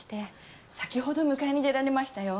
先ほど迎えに出られましたよ。